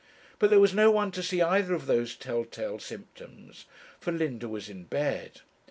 But there was no one to see either of those tell tale symptoms, for Linda was in bed.